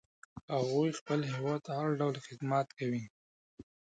هغوی خپل هیواد ته هر ډول خدمت کوي